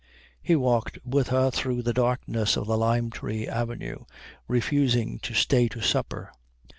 He walked with her through the darkness of the lime tree avenue, refusing to stay to supper.